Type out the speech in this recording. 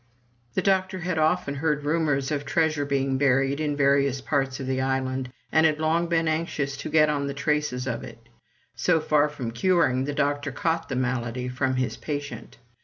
The doctor had often heard rumors of treasure being buried in various parts of the island, and had long been anxious to get on the traces of it. So far from curing, the doctor caught the malady from his patient.